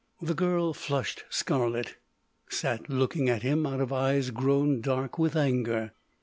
The girl flushed scarlet, sat looking at him out of eyes grown dark with anger.